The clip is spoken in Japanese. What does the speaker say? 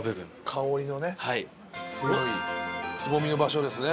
香りのねすごいつぼみの場所ですね